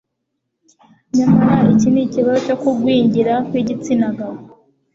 Nyamara iki ni ikibazo cyo kugwingira kw'igitsina gabo